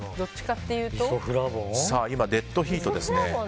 今、デッドヒートですね。